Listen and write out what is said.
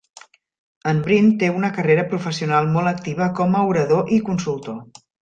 En Brin té una carrera professional molt activa com a orador i consultor.